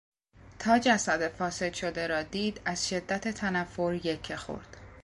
تا جسد فاسد شده را دید از شدت تنفر یکه خورد.